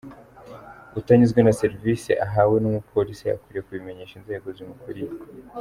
Utanyuzwe na serivisi ahawe n’Umupolisi akwiriye kubimenyesha inzego zimukuriye.